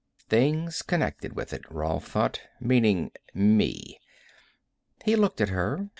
Things connected with it, Rolf thought. Meaning me. He looked at her.